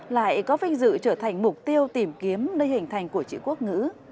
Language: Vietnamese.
lại có vinh dự trở thành mục tiêu tìm kiếm nơi hình thành của chữ quốc ngữ